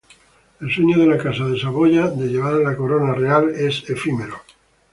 El sueño de la Casa de Saboya de llevar la corona real es efímero.